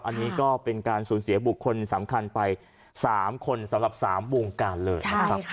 อันนี้ก็เป็นการสูญเสียบุคคลสำคัญไป๓คนสำหรับ๓วงการเลยนะครับ